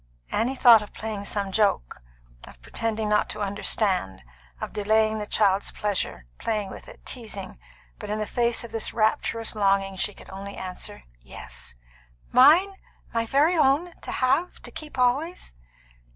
Annie had thought of playing some joke; of pretending not to understand; of delaying the child's pleasure; playing with it; teasing. But in the face of this rapturous longing, she could only answer, "Yes." "Mine? My very own? To have? To keep always?"